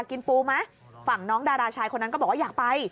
กินปูไหมฝั่งน้องดาราชายคนนั้นก็บอกว่าอยากไป